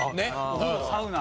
サウナ。